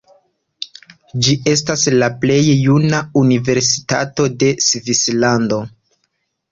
Ĝi estas la plej juna universitato de Svislando.